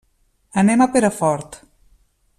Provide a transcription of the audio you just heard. Anem a Perafort.